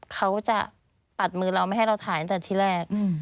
เขาจะปัดมือเราไม่ให้เราถ่ายตั้งแต่ที่แรก